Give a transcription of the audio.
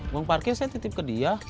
uang parkir saya titip ke dia